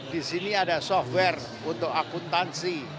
di sini ada software untuk akuntansi